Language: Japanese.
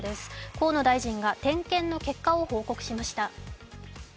河野大臣が点検の結果を報告しました。